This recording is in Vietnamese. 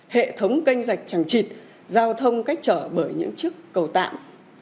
hệ thống canh dạch chẳng chịt giao thông cách trở bởi những chiếc cầu tạm